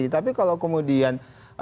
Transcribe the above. tapi kalau kemudian